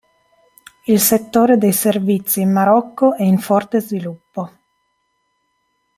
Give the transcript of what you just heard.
Il settore dei servizi in Marocco è in forte sviluppo.